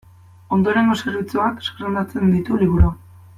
Ondorengo zerbitzuak zerrendatzen ditu liburuan.